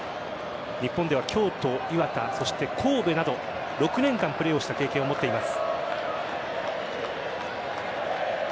日本は京都、磐田など６年間、プレーをした経験を持っています。